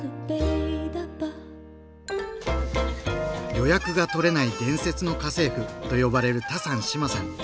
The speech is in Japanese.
「予約がとれない伝説の家政婦」と呼ばれるタサン志麻さん。